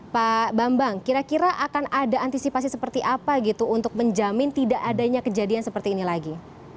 pak bambang kira kira akan ada antisipasi seperti apa gitu untuk menjamin tidak adanya kejadian seperti ini lagi